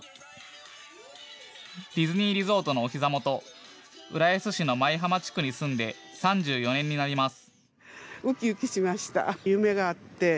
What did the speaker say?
ディズニーリゾートのおひざ元浦安市の舞浜地区に住んで３４年になります。